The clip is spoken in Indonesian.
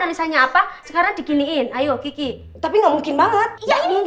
kalau sampai kayak gitu pasti ketahuan